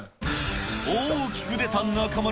大きく出た中丸。